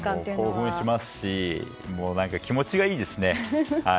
興奮しますし気持ちがいいですね。